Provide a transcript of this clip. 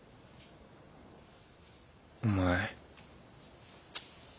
お前